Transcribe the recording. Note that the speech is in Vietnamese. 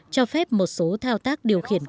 cho phép một số thao tác điều khiển cực